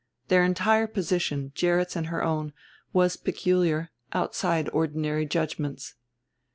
Their entire position, Gerrit's and her own, was peculiar, outside ordinary judgments.